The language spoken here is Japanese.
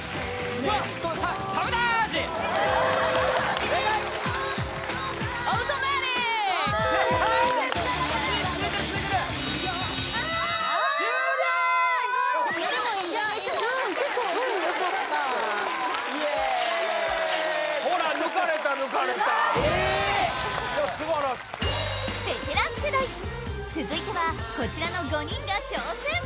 うん結構ほらベテラン世代続いてはこちらの５人が挑戦！